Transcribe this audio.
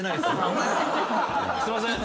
すいません。